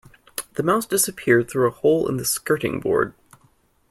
The mouse disappeared through a hole in the skirting board